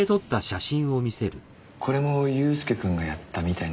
これも祐介くんがやったみたいなんですが。